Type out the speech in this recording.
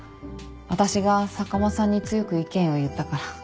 私が坂間さんに強く意見を言ったから。